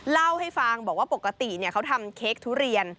เล่าให้ฟังบอกว่าปกติเขาทำเค้กทุเรียน